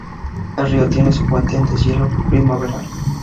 El río tiene su fuente en deshielo primaveral.